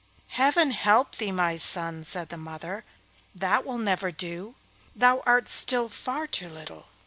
'Heaven help thee, my son!' said the mother, 'that will never do; thou art still far too little.